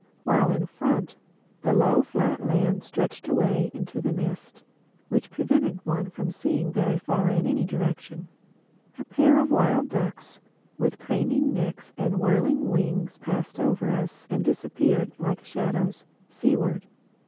While in front, the low flat land stretched away into the mist—which prevented one from seeing very far in any direction. A pair of wild ducks with craning necks and whirring wings passed over us and disappeared like shadows, seaward.